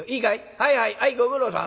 はいはいはいご苦労さん。